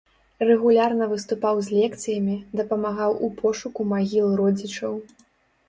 Рэгулярна выступаў з лекцыямі, дапамагаў у пошуку магіл родзічаў.